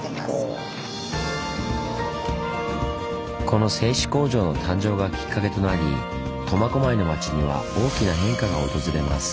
この製紙工場の誕生がきっかけとなり苫小牧の町には大きな変化が訪れます。